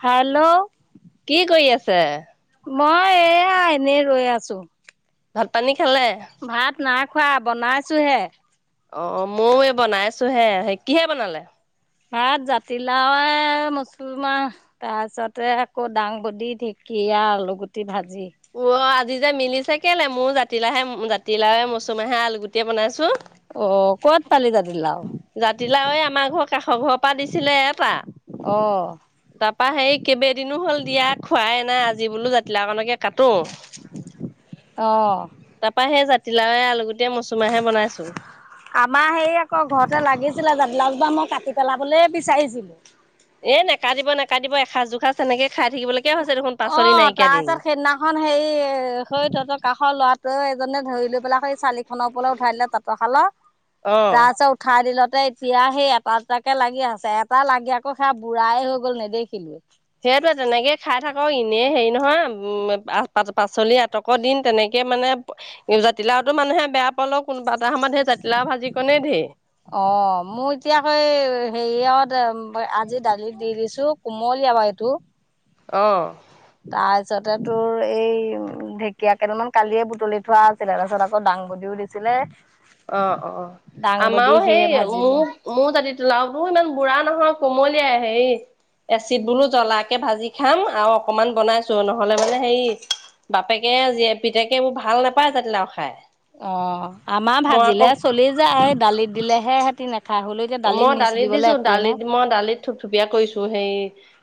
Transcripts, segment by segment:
Hello কি কৰি আছে? মই এয়া এনেই ৰৈ আছো। ভাত পানী খালে? ভাত নাই খোৱা বনাইছো হে। অ' ময়ও এই বনাইছো হে সেই কিহেৰে বনালে? ভাত জাতিলাও [unintelligible] তাৰপিছতে আকৌ দাংবদী ঢেঁকী। এয়া আলুগুটি ভাজি অ' আজি যে মিলিচে কেলে মোৰ জাতিলাহে জাতিলাও মচুৰমাহে আলু গুটিয়ে বনাইছো। অ' ক'ত পালি জাতিলাও? জাতিলাও এই আমাৰ ঘৰ কাষৰ ঘৰৰ পৰা দিছিলে এটা। অ'। তাৰপা সেই কেইবেইদিনো হ'ল দিয়া খোৱাই নাই আজি বোলো জাতিলাও কণকে কাটো। অ'। তাৰ পৰা সেই জাতিলােও আলুগুটি আমাৰ হেৰী আকৌ ঘৰতে লাগিছিলে জাতিলাও মই কাটি পেলাবলৈ বিচাৰিছিলো এ নাকাতিব নেকাতিব এসাজ দুসাজ তেনেকে খাই থাকিব লাগিব। অ' তাৰপিছত সেইদিনাখন হেৰি তহঁতৰ কাষৰ লোৱা ত এজনে ধৰি লৈ পেলাই এই চালিখনৰ ওপৰত উঠাই দিলে তাঁতৰশালত অ। তাৰ পিছত উঠাই দিলত এতিয়া সেই এটা দুটাকে লাগি আছে এটা লাগি আকৌ সেয়া বুঢ়াই হৈ গ'ল নেদেখিলো। তেনেকৈ খাই থাকক এনেই হেৰি নহয় পাচলি আটকৰ দিন তেনেকে মানে জাতিলাওতো মানুহে বেয়া পালও কোনোবা এটা সময়ত সেই জাতিলাও ভাজিকনে ধেৰ। অ' মোৰ এতিয়াাকৈ হেৰিয়ত আজি দালি দি দিছো কোমলীয়া বাৰু এইটো। আহ। তাৰপিছতে তোৰ এই ঢেকীয়া কেইদালমান কালিয়ে বুটলি থোৱা আছিলে তাৰপিছত আকৌ ডাঙৰ বুলিও দিছিলে অ' অ' দাংবদি আমাৰো সেয়ে সেই ভাজিলোঁ। মোৰ মোৰ জাতিলাওটো ইমান বুঢ়া নহয়। কোমলিয়া হেৰী এচিড বোলো জ্বলাকে ভাজি খাম আৰু অকমান বনাইছো নহলে মানে হেৰি বাপেকে জী পিতেকে এইবোৰ ভাল নাপায় জাতি লাও খাই। অ' আমাৰ মই আকৌ ভাজিলে চলি যায় দালিত দিলেহে সেহতি নাখায়। হ'লেও এতিয়া দালিত মই মিক্স দালি দিবলৈ দিছো একোৱেই নাই। দালিত মই দালিত থুপথুপিয়া কৰিছো হেই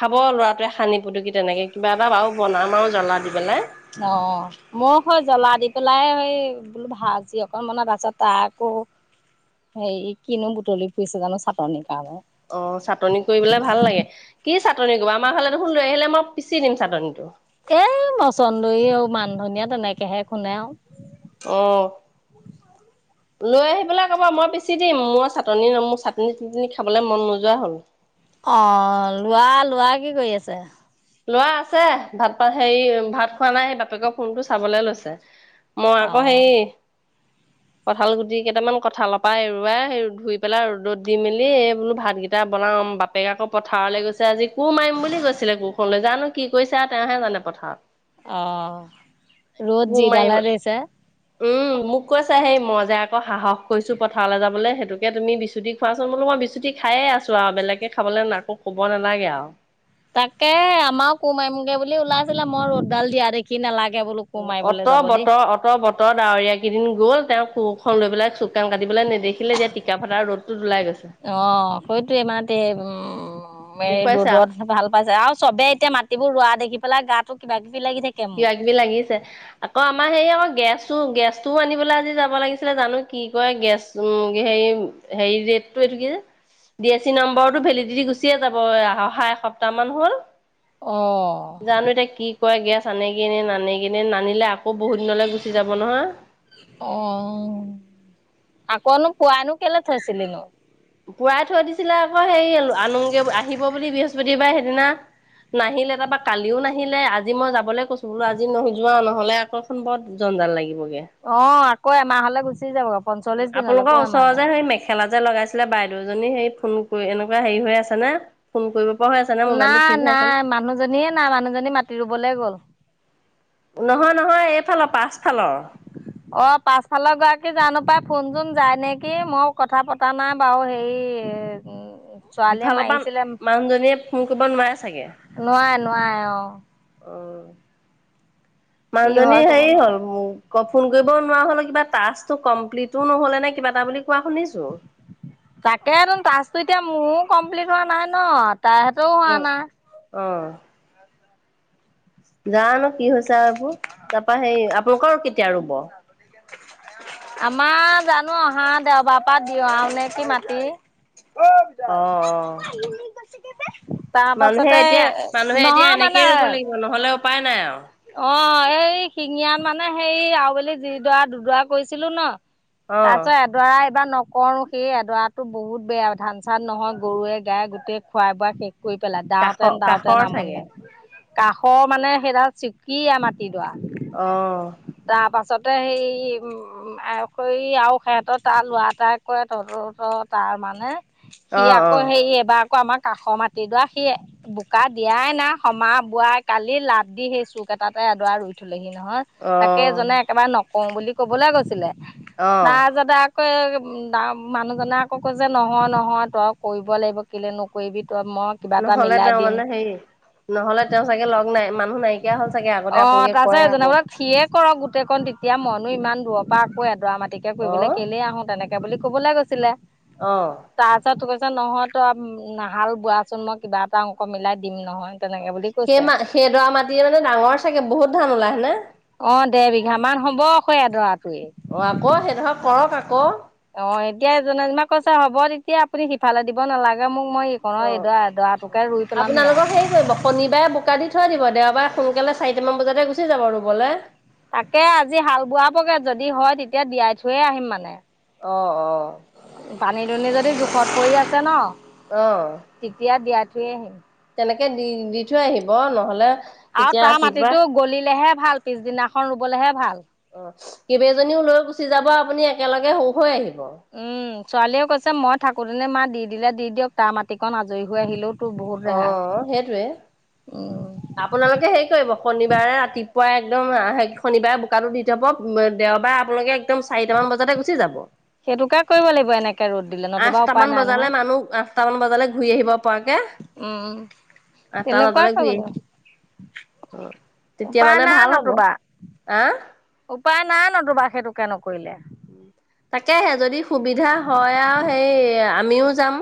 খাব ল'ৰাটোৱে সানি পুতকি তেনেকে কিবা এটা বাৰু বনাম আৰু জ্বলা দি পেলাই অ' মোক স জ্বলা দি পেলাই সেই বোলো ভাজি অকনমানৰ পাছত হেৰি কিনো বুটলি ফুৰিছে জানো চাটনিৰ কাৰণে। অ' চাটনি কৰিবলে ভাল লাগে কি চাটনি কৰিবা আমাৰ ঘৰ দেখুল লৈ আহিলে মই পিচি দিম চাটনিটো। এ মচন্দৰী আৰু মান ধনিয় তেনেকেহে শুনে আৰু আহ। লৈ আহি পেলাই আকব মই পিচি দিম মই চাটনি মোৰ চাটনি খাবলৈ মন নোযোৱা হ'ল। অ লোৱা লোৱা কি কৰি আছে? লৰা আছে ভাত পা হেৰি ভাত খোৱা নাই সেই বাপেক ফোনটো চাবলে লৈছে। মই আকৌ অ' হেৰি কঁঠাল গুটি কেইটামান কঁঠালৰ পৰা এৰুৱাই ধুই পেলাই ৰ'দত দি মেলি এই বোলো ভাতকেইটা এটা বনাও বাপেকে আকৌ পথাৰলৈ গৈছে আজি কোৰ মাৰিম বুলি কৈছিলে কো ফলৈ যানো কি কৰিছে আৰু তেওঁহে জানে পথাৰত অ ৰ'দ কোৰ যি মাৰিব ডালহে দিছে উম মোক কৈছো হেই মই যে আকৌ সাহস কৰিছো পথাৰলৈ যাবলৈ সেইটোকে তুমি বিচুতি খুৱোৱাচোন বোলো মই ম বিচুতি খায়ে আছো আৰু বেলেগে খাবলৈ আকৌ কব নালাগে আৰু তাকে আমাৰ কোমাৰিমগে বুলি ওলাইছিলে মই ৰ'দডাল দিয়া দেখি নালাগে বোলো কোৰ অ মাৰিবলৈ অত যাব দেই। বতৰ অত বতৰ ডাৱৰীয় কেইদিন গ'ল তেওঁ কুখনন লৈ পেলাই চুকান কাটি দেখিলে যে টিকা ফটা ৰ'দ অ হয়তো মাৰতে উম উ এই দেখুৱাইছে আৰু ৰ'দত ভাল পাইছে আৰু চবে এতিয়া মাটিবোৰ ৰোৱা দেখি পেলাই গাত কিবা কিবি লাগিছে আকৌ আমাৰ হেৰি আকৌ গেছটো গেছটোও আনিবলৈ আজি যাব লাগিছিলে জানো কি কয় গেছ হেৰি হেই ট পগ ডি এছ চি নম্বৰটো ভেলিডিটি গুচিয়ে যাব অহা এসপ্তাহ মান হ'ল অ জানো এতিয়া কি গেছ আনগে নে নানেগে নানিলে আক আকৌ বহুত দিনলে গুচি যাব নহয়। অ', আকৌনো পোৱানো কেলে থৈছিলি নো? পুৱাই থৈ দিছিলে আকৌ হেই আনংগে আহিব বুলি বৃহস্পতিবাৰে সেইদিনা। নাহিলে তাৰপা কালিও নাহিলে আজি মই যাবলৈ কৈছো বোলো আজি নোযোৱা নহ'লে আকৌ বৰ জন জনজাল লাগিবই। অৱ আকৌ এমাহ হ'লে গুচি যাব উম পঞ্চল্লিশ দিনলৈ আপোনালোকৰ আকৌ ওচৰ এমাহলে। যে সেই মেখেলা যে লগাইছে। আছিলে বাইদেউজনী হে ফোন কৰি এনেকুৱা হেৰি হৈ আছে না ফোন কৰিব পৰা হৈ আছে নে না মোবাইলটো ঠিক হৈ না আছে নে? মানুহজনীয়ে নাই মানুহজনী মাতি ৰুবলৈ গ'ল। নহয় নহয় এইফালৰ পাচফালৰ। অ পাছফালৰ গৰাকী জানো পাই ফোনচোন যায় নেকি, মোও কথা পতা নাই বাৰু হেৰি উম, ছোৱালীয়ে সিফালৰ মাৰিছিলে পৰা মানুহজনীয়ে ফোন কৰিব নোৱাৰে চাগে। নোৱাৰে নোৱাৰে অৱ। অৱ, কি হয় মানুহজনীৰ ক'ব হেৰি নোৱাৰো। হ'ল ক ফোন কৰিব নোৱাৰা হ'ল কিবা ট্ৰাকটৈ কমপ্লিটো নহ'লে নে কিবা এটা বুলি কোৱা শুনিছো। তাকেটো ট্ৰাচ্ছটো এতিয়া মোৰো কমপ্লিট হোৱা নাই ন তাহতেও হোৱা অ না। অ। জানো কি হৈছে আক, তাৰপা সেই আপোনালোকৰ কেতিয়া ৰুব? আমাৰ জানো অহা দেওবাৰ পৰাা দিয়াও নেকি মাটি। অ, অ। তাৰ মানুহে পাছতে এতিয়া মানুহে এতিয়া নহয় মানে, এনেকেই ৰুব লাগিব নহলে উপায় নাই আৰু। অৱ। এই শিঙীয়া মানে হেই আবেলি যিডৰা দুডৰা কৰিছিলো ন। তাৰ অহ পিছত এডৰা এইবাৰ ন কৰোঁ সেই এডৰাতো বহুত বেয়া ধান চান নহয় গৰুৱে গাইয়ে গোটেই খুৱাই বোৱাই শেষ। কৰি পেলাই দাওঁতেন কাষৰ দাওঁতেন কাষৰ আমনি চাগে লা কাষৰ মানে সেইডাল চিকিয়া মাটিডৰা। অ তাৰপাছ তে সেই [unintelligible] আৰু সৈ আৰু সিহঁতৰ তাৰ ল'ৰা এটাই কয়ে তহঁতৰ ওছৰৰ তাৰ মানে। সি অ আকৌ অ হেৰি এবাৰ আকৌ আমাক কাষৰ মাটি দৰা সি বোকা দিয়াই নাই সমা বোৱাই কালি লাটি হেৰী চুক এটাতে এডৰা ৰুই থৈ লেহি নহয়, অ তাকে এজনে একেবাৰে নকওঁ বুলি কবলে গৈছিলে। অ তাৰ পিছতে [unintelligible] মানুহজনে আকৌ কৈছে নহয়, নহয় তই কৰিব লাগিব কেলে নকৰিবি? ত মই কিবা এটা নহ'লে মিলাই তেওঁ দিম। মানে হেৰি নহলে তেওঁ চাগে লগ নাই মানুহ নাইকিয়া হ'ল চাগে আগতে আপোনালোকে কয় আৰু। ন তেতিয়া মইনো ইমান দূৰৰ পৰা আকৌ এডৰা মাটিকে অ কৰিবলৈ কেলেই আহো তেনেকে বুলি ক'বলৈ গৈছিলে। অ তাৰপিছত নহয়তো আ নাহাল বোৱাচোন মই কিবা এটা অংক মিলাই দিম নহয়। তেনেকে বুলি সেই কৈছে। মা সেইডৰা মাটিৰে মানে ডাঙৰ চাগে বহুত ধান ওলাই হয়নে। এবিঘামান হ'ব আকৌ এডৰাত। অ, আকৌ সেই ধৰক কৰক আকৌ। অ, এতিয়া মানুহজনাক কৈছে হ'ব তেতিয়া আপুনি সিফালে দিব নালাগে মোক মই এইকণৰ অ, এইডৰা এডৰাটো কে ৰুই পেলামহি আৰু আপোনালোকে হেৰি কৰিব শনিবাৰে বোকা দি থৈ দিব দেওবাৰে সোনকালে চাৰিটামান বজাতে গুচি যাব ৰুবুলে। তাকে আজি হাল বোৱাবগে যদি হয় তেতিয়া দিয়াই থৈয়ে আহিম মানে। অ অ। পানী দুনি যদি জোখত পৰি আছে ন অ অ তেতিয়া দিয়া থৈ আহিম। তেনেকে দি দি থৈ আহিব নহ'লে আৰু তেতিয়া তাৰ ৰাতিপুৱা মাটিতো গলিলেহে ভাল পিছদিনাখন ৰুবলেহে ভাল। অ কেইবেওজনীও লৈ গুচি যাব আপুনি একেলগে সৰু হৈ আহিব। অ উম ছোৱালীয়ে কৈছে মই থাকোতেনে মা দি দিলে দি দিয়ক তাৰ মাটিকন আজৰি হৈ আহিলো। অ সেইটোৱে উম, আপোনালোকে হেৰি কৰিব শনিবাৰে ৰাতি পুৱাই একদম হ শনিবাৰে বোকাটো দি যাব দেওবাৰে আপোনালোকে একদম চাৰিটামান বজাতে গুচি যাব। সেইটোকে কৰিব লাগিব এনেকে ৰ'দ দিলে নতুবা উপায় আঠটামান নাই বজালে নহয়। মানুহ আঠটামান বজালে ঘূৰি আহিব পৰাকে উম। অ তেনেকুৱাই তালৈ [unintelligible] তেতিয়া উপায় মানে নাই ভাল হ'ব নতুবা। আহ উপায় নাই নতোবা সেইটোকে নকৰিলে। তাকেহে যদি সুবিধা হয় আৰু সেই আমিও যাম।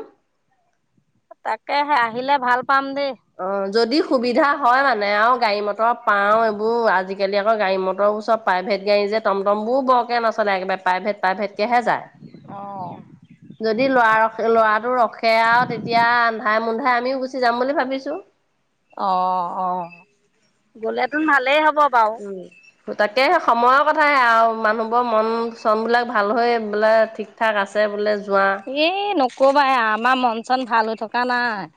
তাকে সে আহিলে ভাল পাম দেই। অ যদি সুবিধা হয় মানে আৰু গাড়ী মটৰ পাওঁ এইবোৰ আজিকালি আকৌ গাড়ী মটৰবোৰ চব প্ৰাইভেট গাড়ী যে যে টমটম বোৰ বৰকে নচলে একেবাৰে প্ৰাইভেট প্ৰাইভেট হে যায় অ', যদি লৰা লৰা আৰু ৰখে আৰু তেতিয়া আন্ধাই মুন্ধাই আমিও গুচি যাম বুলি ভাবিছো। অ অ গলে টো ভালেই হ'ব। বাৰু। উম দুটাত তাকে সময়ৰ কথাহে আৰু মানুহবোৰৰ মন চনবিলাক ভাল হৈ বোলে ঠিক ঠাক আছে বোলে। যোৱা এ নকবা আমাৰ মন চন ভাল হৈ থকা নাই?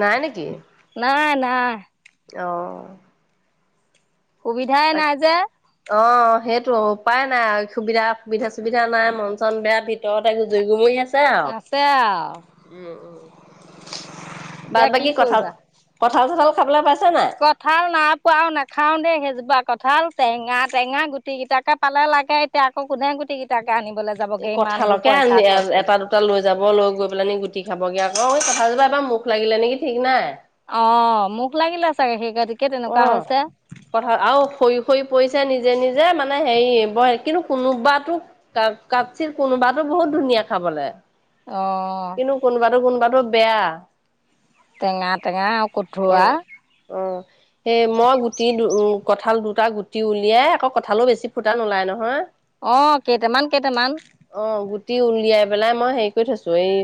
নাই নেকি? নাই, নাই। অহ সুবিধাই নাই যে অ সেইটো উপায় নাই আৰু সুবিধা সুবিধা ছুবিধা নাই মন চন বেয়া ভিতৰতেজুৰি গুমুৰি আছে। হৈছে আও আছে আৰু বাত এতিয়া কি বাকী কথা কৰিবা। কঠাল চঠাল খাবলৈ পাইছে কঁঠাল নাইপোৱাও নাখাও দেই সেইজোপা কঁঠাল টেঙা টেঙা গুটি গিটাকে পালে লাগে এতিয়া আকৌ কোনে গুটি কেইটাকে আনিবলৈ এ যাবগে ইমান দূৰ কঠালকে পইচা খৰচ কৰি। এটা দুটা লৈ যাব লৈ গৈ পেলাই নি গুটি খাবগে। অ মই কথা যাবা এবাৰ মুখ লাগিলে নেকি ঠিক নাই। অ মোক লাগিলে চাগে সেই। গতিকে অ তেনেকুৱা হৈছে কথা আৰু খহি খহি পৰিছে নিজে নিজে মানে হেৰি কিন্তু কোনোবাতো ক কাপচ কোনোবাতো বহুত ধুনীয়া ধুনীয়া খাবলে অ'। কিন্তু কোনোবাতো কোনোবাতো বেয়া। টেঙা - টেঙা। কঠোৰা উম- উম। এ মই গুটি উম, কঠাল দুটা গুটি উলিয়াই আকৌ কঠালও বেছি ফুটা নোলায় নহয়। অ, কেইটামান - কেইটামান। অ গুটি উলিয়াই পেলাই মই হেৰি কৰি থৈছো এই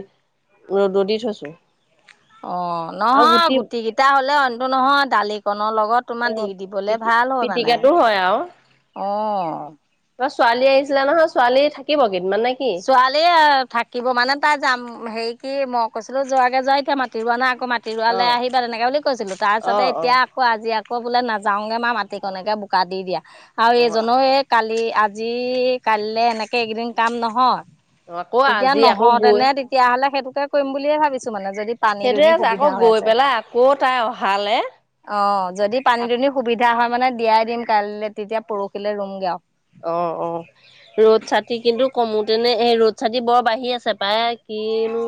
ৰ'দ দি থৈছো। অ, নহয় গুটি কেইটা হলে অন্ত নহয় দালিকন ন লগত তোমাৰ অ দি দিবলে পিটি ভাল হয় মানে পিটিকাটো হয় আৰু অ, তোমাৰ ছোৱালী আহিছিলে নহয় ছোৱালী থাকিব। কেইদিনমান নে কি ছোৱালীয়ে থাকিব মানে তাই যাম হেৰি কি মই কৈছিলো যোৱাকে যোৱা এতিয়া মাটি ৰোৱানা আকৌ মাটি অ ৰৱালৈ আহিবা তেনেকে বুলি কৈছিলো অ তাৰপিছতে অ এতিয়া আকৌ আজি আকৌ আকৌ বোলে নাযাওগে মা মাটিকণকে বোকা দি দিয়া আৰু অ এইজনো এই কালি আজি কাইলৈ এনেকে এইকেইদিন কাম নহয়। অ আকৌ তেতিয়া আজি আকৌ নহও গৈ তেনে তেতিয়াহ'লে সেইটোকে কৰিম বুলিয়ে ভাবিছো মানে। যদি পানী সেইটোৱে দুনি আছে সুবিধা আকৌ হৈ গৈ পেলাই আকৌ তাই অহালে অ, যদি পানী দুনি সুবিধা হয় মানে দিয়াই দিম কাইলৈ তেতিয়া পৰহিলৈ ৰুমগে অ, অ - অ ৰ'দ চাতি কিন্তু কমোতো নে এ ৰ'দ চাতি বৰ বাঢ়ি আছে পায় কিনো।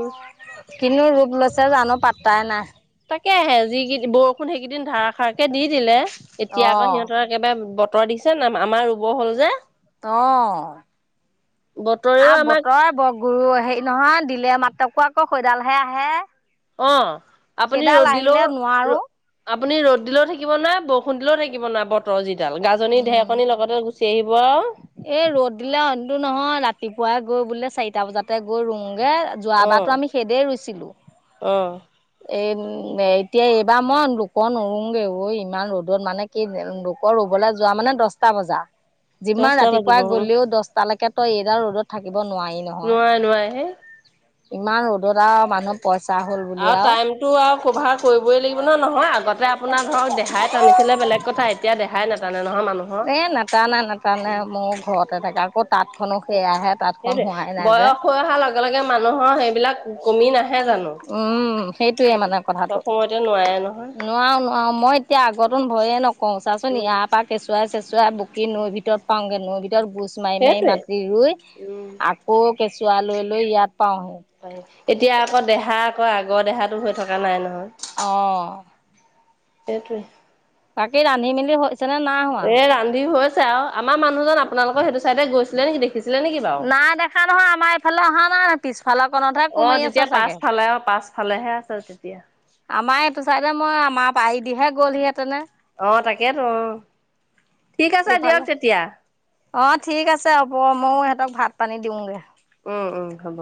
কিনি ৰূপ লৈছে জানো পাতাই নাই। থাকে আহে যি কেই বৰষুণ সেইকেইদিন ধাৰ খাৰ কে দি দিলে এতিয়া আক অঁ সিহতৰ একেবাৰে বতৰ বতৰ দিছে না আমাৰ ৰুব হ'ল যে ত বতৰেও আৰু আমাক বতৰে বগ গৰু হেৰি নহয় দিলে মাত্ৰকো আকৌ খৈডালহে আহে। অ, আপুনি সেইডাল ৰ'দ দিলেও আহিলে নোৱাৰো। ৰদ আপুনি ৰ'দ দিলেও থাকিব নাই বৰষুণ দিলেও থাকিব নাই বতৰ যিটো জাল গাজননি ঢেৰকনিৰ লগতে গুচি আহিব। আৰু। এ ৰ'দ দিলেটো নহয় ৰাতিপুৱাই গৈ বোলে চাৰিটা বজাতে গৈ ৰও। অ', যোৱাবাৰটো আমি সেইদেই ৰুইছিলো। অ', এই এতিয়া এইবাৰ মই দুকন নৰোগৈ ঐ ইমান ৰ'দত মানে কি লোকৰ বলা যোৱা মানে দশটা বজা যিমান দহটা বাজিব ৰাতিপুৱাই উম, গ'লেও দশ টা লৈকে তই এইডাল ৰ'দত থাকিব। থাকিব নোৱাৰি নহয় নোৱাৰে নোৱাৰে হেই। ইমান ৰদত আৰু মানু পইচা হ'ল। আৰু উলিয়াও। টাইমটো আৰু কভাৰ কৰিবই লাগিব নহয়, নহয় আগতে আপোনাৰ ধৰক দেহাই টানিছিলে বেলেগ কথা এতিয়া দেহাই নাটানে নহয় মানুহৰ। এ নাটানে - নাটানে মোৰ ঘৰতে থাকে আক'ত সেইটোৱে যে। বয়স হৈ অহা লগে - লগে মানুহৰ সেইবিলাক কমি নাহে জানো? উম, সেইটোয়ে সেইটো মানে কথাটো চব সময়তে নোৱাৰে নহয়, নোৱাৰো - নোৱাৰো মই এতিয়া আগতো ভয়ে নকও চাচোন উম, ইয়াৰ পৰা কেচুৱাই চেচুৱাই বকি নৈৰ ভিতৰত পাওগে নৈ ভিতৰত গুচ মাৰি - মাৰি সেইটোৱে, মাতি ৰুই উম। আকৌ কেচুৱা লৈ লৈ ইয়াত পাওহি। এতিয়া আকৌ দেহা আকৌ আগৰ দেহাটো হৈ থকা নাই ন। অ', সেইটোৱে বাকি ৰান্ধি মিলি এ ৰান্ধি হৈছে আৰু আমাৰ মানুহজন আপোনালোকৰ সেইটো চাইডে গৈছিলে নেকি দেখি নাই দেখা নহয় আমাৰ এইফালে অহা নাই নহয় পিছফালৰ কণতহে কোমাৰি আছে চাগে। ভালেহে আছে উচিত আমাৰ এইটো চাইডে মই আমাৰ পাৰি দিহে গ'ল সি আহ তাকেইেতো অ, ঠিক আছে দিয়ক এইফালে। তেতিয়া। অ, ঠিক আছে হ'ব ময়ো ইহতক ভাত পানী দিওগৈ। উম - উম হ'ব।